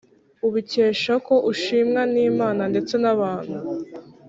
ubikesha ko ushimwa n’Imana ndetse n’abantu.